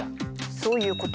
そういうこと。